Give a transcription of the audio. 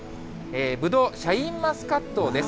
ぶどう、シャインマスカットです。